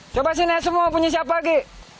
coba sini semua punya siap lagi